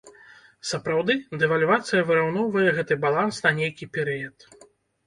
Сапраўды, дэвальвацыя выраўноўвае гэты баланс на нейкі перыяд.